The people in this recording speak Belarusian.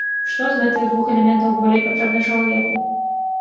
Што з гэтых двух элементаў болей патрэбна чалавеку?